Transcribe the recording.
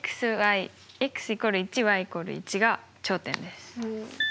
＝１＝１が頂点です。